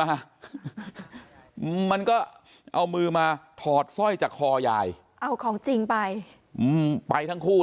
มามันก็เอามือมาถอดสร้อยจากคอยายเอาของจริงไปอืมไปไปทั้งคู่